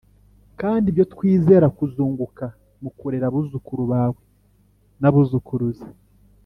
kandi ibyo twizera kuzunguka mukurera abuzukuru bawe n'abuzukuruza.